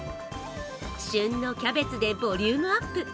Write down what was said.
旬のキャベツでボリュームアップ。